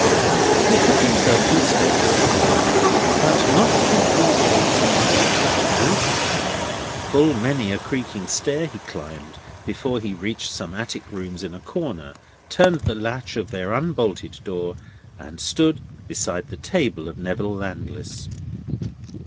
He took himself to Staple Inn, but not to P. J. T. and Mr. Grewgious. Full many a creaking stair he climbed before he reached some attic rooms in a corner, turned the latch of their unbolted door, and stood beside the table of Neville Landless.